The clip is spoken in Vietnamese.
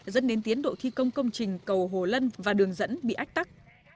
dẫn đến tiến độ thi công công trình cầu hồ lân và đường dẫn bị ách tắc